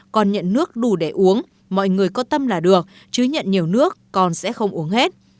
còn nhận nước đủ để uống mọi người có tâm là được chứ nhận nhiều nước còn sẽ không uống hết